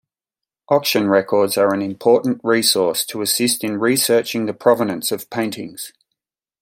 Auction records are an important resource to assist in researching the provenance of paintings.